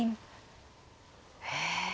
へえ。